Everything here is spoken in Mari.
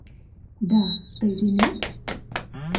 — Да, тый денет?